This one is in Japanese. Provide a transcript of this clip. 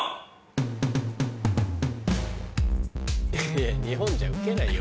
いや日本じゃウケないよ